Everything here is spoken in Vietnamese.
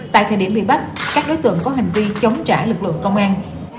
tại thời điểm bị bắt các đối tượng có hành vi chống trả lực lượng công an